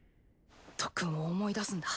特訓を思い出すんだ。